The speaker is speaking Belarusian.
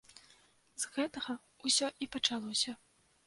З гэтага ўсё і пачалося.